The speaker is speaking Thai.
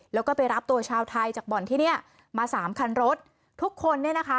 แล้วก็ไปรับตัวชาวไทยจากบ่อนที่เนี้ยมาสามคันรถทุกคนเนี่ยนะคะ